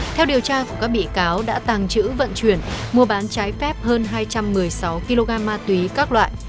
theo điều tra của các bị cáo đã tàng trữ vận chuyển mua bán trái phép hơn hai trăm một mươi sáu kg ma túy các loại